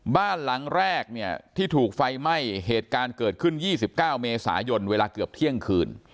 บ้านหลังแรกเนี่ยที่ถูกไฟไหม้เหตุการณ์เกิดขึ้น๒๙เมษายนเวลาเกือบเที่ยงคืน